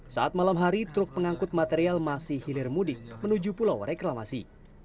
saat malam hari truk pengangkut material masih hilir mudik menuju pulau reklamasi